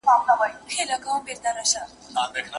موږ په تېر وخت کي د خپلو چارو ترمنځ توازن ساتلی و.